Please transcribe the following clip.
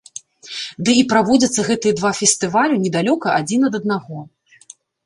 Ды і праводзяцца гэтыя два фестывалю недалёка адзін ад аднаго.